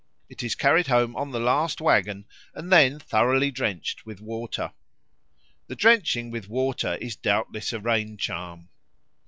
It is carried home on the last waggon, and then thoroughly drenched with water. The drenching with water is doubtless a rain charm.